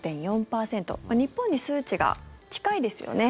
日本に数値が近いですよね。